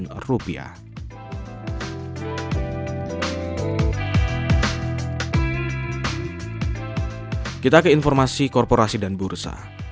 setelah berubah dari kualitas biaya dan kelebihan kita ke informasi korporasi dan bursa